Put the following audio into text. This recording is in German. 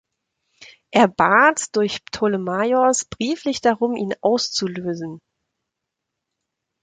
Er bat durch Ptolemaios brieflich darum, ihn auszulösen.